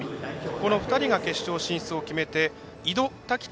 この２人が決勝進出を決めて井戸、滝田。